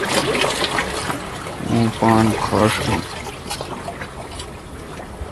اوں پان کھوش این